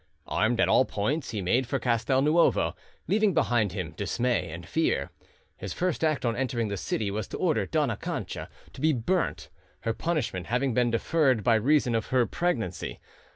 Armed at all points, he made for Castel Nuovo, leaving behind him dismay and fear. His first act on entering the city was to order Dona Cancha to be burnt, her punishment having been deferred by reason of her pregnancy.